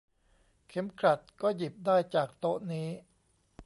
เข็มกลัดก็หยิบได้จากโต๊ะนี้